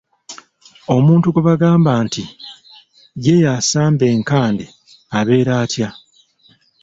Omuntu gwe bagamba nti “Ye yasamba enkande” abeera atya?